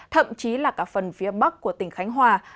thậm chí là cả phần phía bắc của tỉnh khánh hòa